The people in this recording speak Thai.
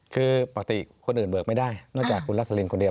คือปกติคนอื่นเบิกไม่ได้นอกจากคุณรัสลินคนเดียว